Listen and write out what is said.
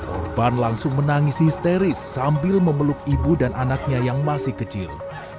korban langsung menangis histeris sambil memeluk ibu dan anaknya yang masih kecil